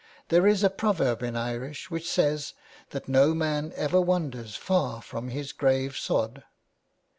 There is a pro verb in Irish which says that no man ever wanders far from his grave sod.